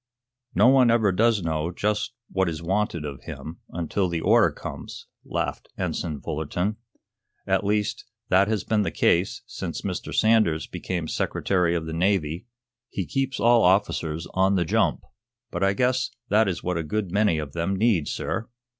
"No one ever does know just what is wanted of him, until the order comes," laughed Ensign Fullerton. "At least, that has been the case since Mr. Sanders became Secretary of the Navy. He keeps all officers on the jump. But I guess that is what a good many of them need, sir."